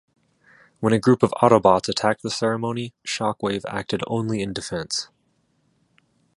When a group of Autobots attacked the ceremony, Shockwave acted only in defense.